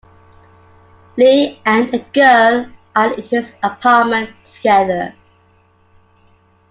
Lee and a girl are in his apartment together.